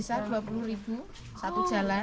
naik ojek bisa rp dua puluh satu jalan